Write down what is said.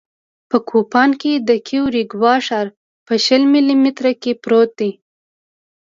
په کوپان کې د کیوریګوا ښار په شل مایله مترۍ کې پروت دی